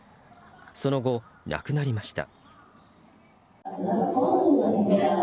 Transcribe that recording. その後、亡くなりました。